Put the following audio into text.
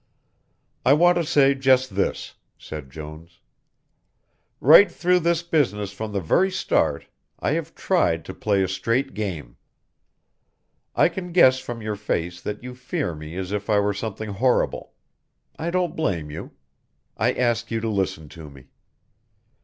"I want to say just this," said Jones. "Right through this business from the very start I have tried to play a straight game. I can guess from your face that you fear me as if I were something horrible. I don't blame you. I ask you to listen to me.